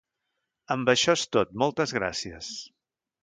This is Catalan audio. Amb això és tot, moltes gràcies!